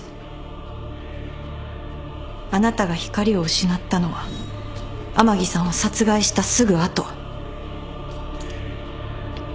あなたが光を失ったのは甘木さんを殺害したすぐ後。